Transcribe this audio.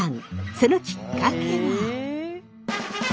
そのきっかけは。